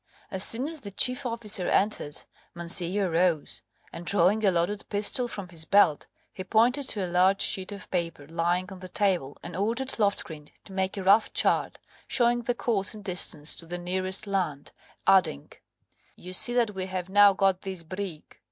As soon as the chief officer entered Mancillo rose, and drawing a loaded pistol from his belt he pointed to a large sheet of paper lying on the table, and ordered Loftgreen to make a rough chart showing the course and distance to the nearest land, adding, "You see that we have now got this brig.